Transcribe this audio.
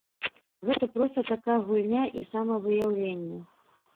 Гэта проста такая гульня і самавыяўленне.